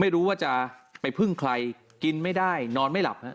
ไม่รู้ว่าจะไปพึ่งใครกินไม่ได้นอนไม่หลับฮะ